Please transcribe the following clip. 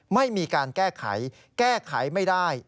ไม่มีการแก้ไขแก้ไขไม่ได้